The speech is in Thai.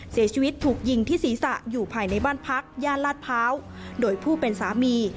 ศีรษะอยู่ภายในบ้านพักย่านลาดเภาโดยผู้เป็นสามี